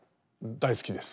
大好きです。